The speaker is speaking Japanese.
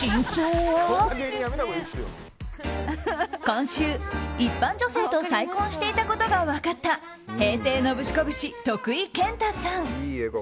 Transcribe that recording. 今週、一般女性と再婚していたことが分かった平成ノブシコブシ、徳井健太さん。